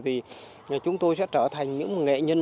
thì chúng tôi sẽ trở thành những nghệ nhân